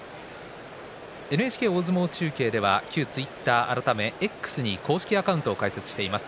ＮＨＫ大相撲中継では旧ツイッター改めＸに公式アカウントを開設しています。